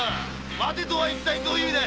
「待て」とはどういう意味だ？